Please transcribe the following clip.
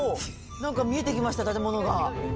なんか見えてきました、建物が。